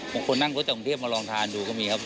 คนนั่งรถจากกรุงเทพมาลองทานดูก็มีครับ